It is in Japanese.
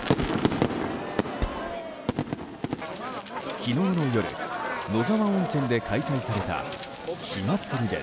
昨日の夜、野沢温泉で開催された火祭りです。